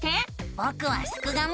ぼくはすくがミ。